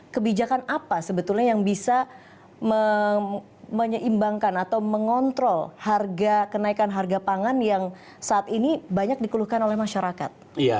kebijakan apa sebetulnya yang bisa menyeimbangkan atau mengontrol kenaikan harga pangan yang saat ini banyak dikeluhkan oleh masyarakat